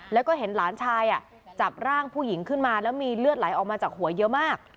แล้วก็เห็นหลานชายจับร่างผู้หญิงขึ้นมาแล้วมีเลือดไหลออกมาจากหัวเยอะมาก